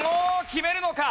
決めるのか？